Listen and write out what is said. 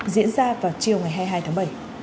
diễn ra vào chiều hai mươi hai tháng bảy